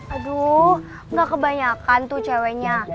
aduh gak kebanyakan tuh ceweknya